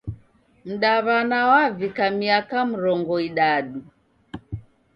Mdaw'ana wavika miaka mrongo idadu.